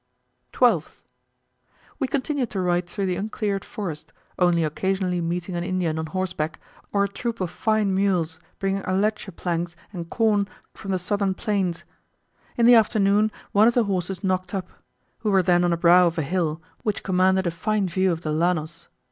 12th. We continued to ride through the uncleared forest; only occasionally meeting an Indian on horseback, or a troop of fine mules bringing alerce planks and corn from the southern plains. In the afternoon one of the horses knocked up: we were then on a brow of a hill, which commanded a fine view of the Llanos.